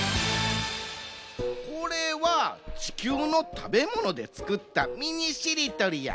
これは地球の食べ物でつくったミニしりとりや。